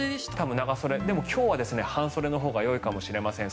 でも今日は半袖のほうがよいかもしれません。